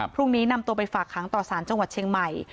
พรุ่งนี้นำตัวไปฝากค้างต่อสารจังหวัดเชียงใหม่